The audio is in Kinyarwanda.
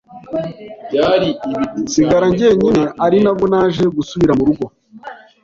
nsigara njyenyine ari nabwo naje gusubira mu rugo